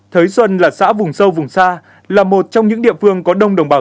thới xuân là xã vùng sâu vùng xa là một trong những địa phương có đông đồng bằng